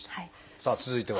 さあ続いては。